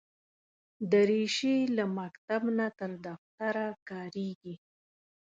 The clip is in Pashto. دریشي له مکتب نه تر دفتره کارېږي.